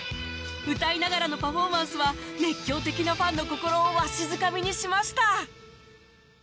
歌いながらのパフォーマンスは熱狂的なファンの心をわしづかみにしました